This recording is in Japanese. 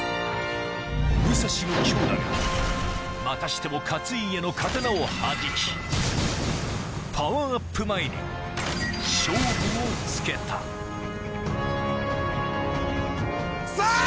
武蔵の強打がまたしても勝家の刀をはじきパワーアップ前に勝負をつけたクソ！